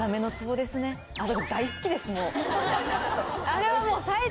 あれはもう。